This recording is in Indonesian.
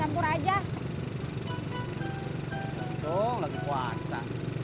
emang kenapa kalau lagi enggak puasa